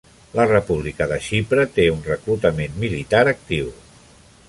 La República de Xipre té un reclutament militar actiu.